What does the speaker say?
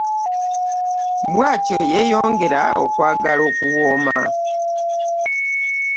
Bwatyo yeyongera okwagala okuwooma .